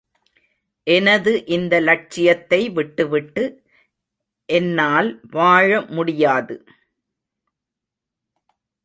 எனது இந்த லட்சியத்தை விட்டு விட்டு என்னால வாழ முடியாது.